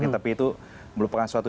tapi itu melupakan suatu